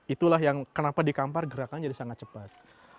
itulah yang kenapa di kampar gerakan jadi sangat cepat